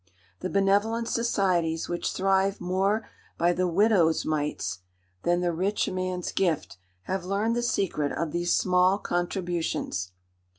The benevolent societies which thrive more by the "widows' mites" than the rich man's gift, have learned the secret of these "small contributions."